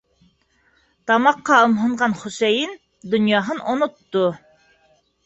Тамаҡҡа ымһынған Хөсәйен донъяһын онотто.